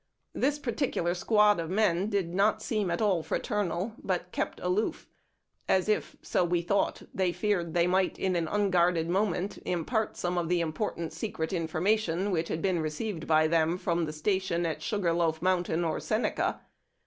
This particu lar squad of men did not seem at all fraternal, but kept aloof, as if (so we thought) they feared they might, in an unguarded moment, impart some of the important secret information which had been received by tliem from the station at Sugar Loaf Mountain or Seneca.